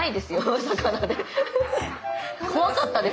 怖かったです